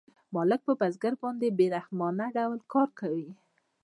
مالک په بزګر باندې په بې رحمانه ډول کار کوي